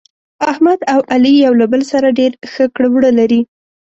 احمد او علي یو له بل سره ډېر ښه کړه وړه لري.